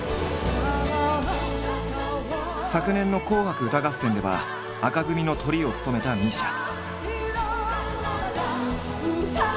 昨年の「紅白歌合戦」では紅組のトリを務めたＭＩＳＩＡ。